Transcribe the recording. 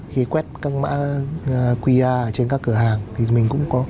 khi quét các mã qr trên các cửa hàng